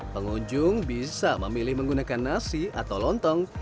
pengunjung bisa memilih menggunakan nasi atau lontong